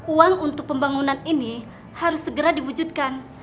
uang untuk pembangunan ini harus segera diwujudkan